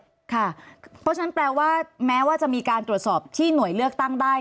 เพราะฉะนั้นแปลว่าแม้ว่าจะมีการตรวจสอบที่หน่วยเลือกตั้งได้